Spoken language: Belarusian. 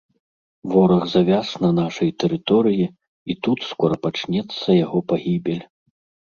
Вораг завяз на нашай тэрыторыі, і тут скора пачнецца яго пагібель.